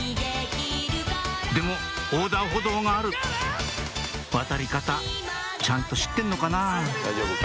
でも横断歩道がある渡り方ちゃんと知ってんのかな？